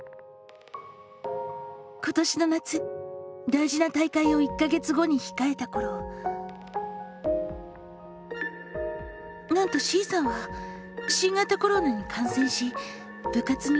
今年の夏大事な大会を１か月後にひかえたころなんとＣさんは新型コロナに感染し部活に出られなくなってしまいました。